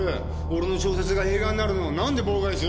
俺の小説が映画になるのを何で妨害するんだ！？